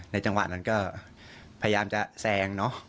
จังหวะนั้นก็พยายามจะแซงเนอะ